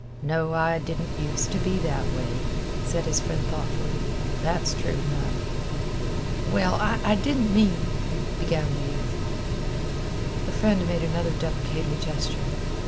"No, I didn't use t' be that way," said his friend thoughtfully. "That's true 'nough." "Well, I didn't mean—" began the youth. The friend made another deprecatory gesture.